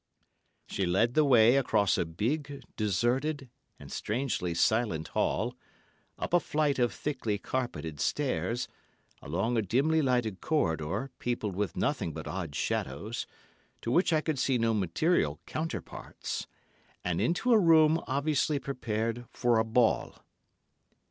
She led the way across a big, deserted and strangely silent hall, up a flight of thickly carpeted stairs, along a dimly lighted corridor, peopled with nothing but odd shadows, to which I could see no material counterparts, and into a room obviously prepared for a ball.